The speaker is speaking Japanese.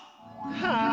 はあ。